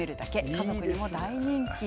家族にも大人気。